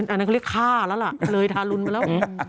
อันนั้นเขาเรียกฆ่าแล้วล่ะเลยทารุณไปแล้ว